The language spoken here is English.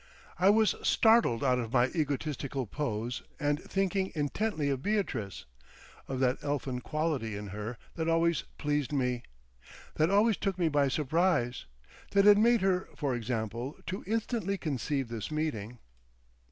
I was startled out of my egotistical pose and thinking intently of Beatrice, of that elfin quality in her that always pleased me, that always took me by surprise, that had made her for example so instantly conceive this meeting.